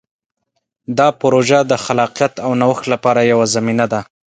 دا پروژه د خلاقیت او نوښت لپاره یوه زمینه ده.